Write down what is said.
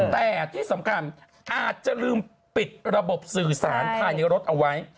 แต่ที่สำคัญอาจจะลืมปิดระบบสื่อสารภายในรถเอาไว้